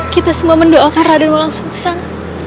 kita semua mendoakan raden wolangsungsang